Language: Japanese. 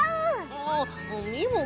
あっみもも